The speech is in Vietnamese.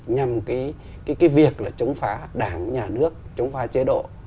nhằm cái việc là chống phá đảng nhà nước chống phá chế độ